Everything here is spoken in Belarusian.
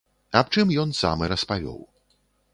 Аб чым ён сам і распавёў.